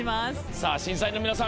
さあ審査員の皆さん